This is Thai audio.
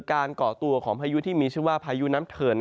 ก่อตัวของพายุที่มีชื่อว่าพายุน้ำเถิน